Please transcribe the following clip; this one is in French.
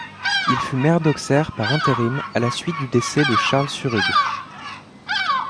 Il fut maire d'Auxerre par intérim à la suite du décès de Charles Surugue.